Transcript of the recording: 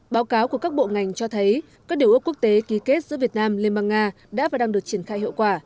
báo cáo của các bộ ngành cho thấy các điều ước quốc tế ký kết giữa việt nam liên bang nga đã và đang được triển khai hiệu quả